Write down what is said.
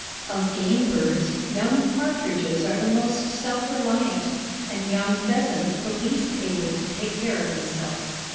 Of game birds, young partridges are the most self reliant, and young pheasants the least able to take care of themselves.